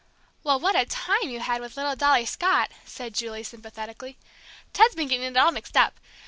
"Well, what a time you had with little Dolly Scott!" said Julie, sympathetically. "Ted's been getting it all mixed up!